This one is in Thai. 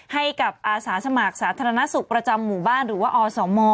ให้กับอาสาสมัครสาธารณสุขประจำหมู่บ้านหรือว่าอสม